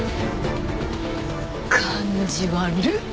感じ悪っ！